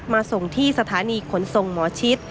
ส่งที่สถานีขนส่งหมอชิด